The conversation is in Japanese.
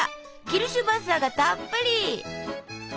キルシュヴァッサーがたっぷり！